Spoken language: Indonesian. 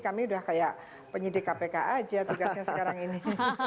kami sudah seperti penyidik kpk saja tugasnya sekarang ini